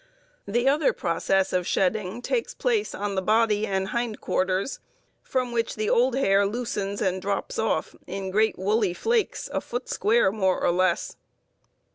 The other process of shedding takes place on the body and hind quarters, from which the old hair loosens and drops off in great woolly flakes a foot square, more or less.